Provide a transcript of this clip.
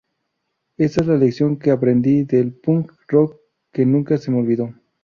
Esa es la lección que aprendí del punk rock que nunca se me olvidó.